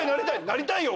なりたいよ